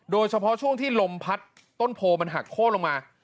โดยเฉพาะช่วงที่ลมพัดต้นโพมันหักโค้นลงมา